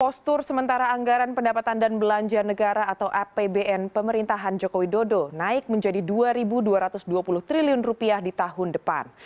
postur sementara anggaran pendapatan dan belanja negara atau apbn pemerintahan joko widodo naik menjadi rp dua dua ratus dua puluh triliun di tahun depan